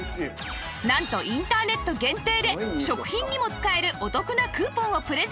なんとインターネット限定で食品にも使えるお得なクーポンをプレゼント